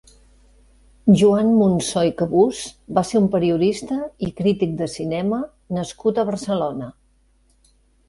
Joan Munsó i Cabús va ser un periodista i crític de cinema nascut a Barcelona.